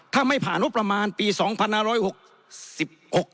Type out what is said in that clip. ถ้าไม่ผ่านว่าประมาณปี๒๑๖๖นี้